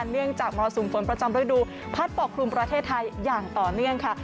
เนื่องจากมรสุมฝนประจำฤดูพัดปกครุมประเทศไทยอย่างต่อเนื่องค่ะ